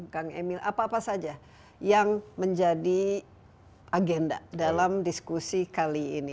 kang emil apa apa saja yang menjadi agenda dalam diskusi kali ini